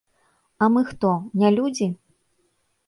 А мы хто, не людзі?